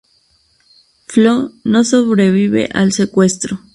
Flo no sobrevive al secuestro.